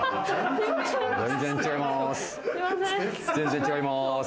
全然違います。